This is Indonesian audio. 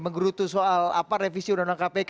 menggerutu soal apa repisi undang undang kpk